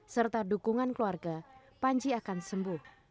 serta dukungan keluarga panji akan sembuh